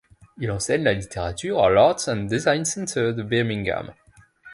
Il enseigne la littérature à l'Arts et design Center de Birmingham.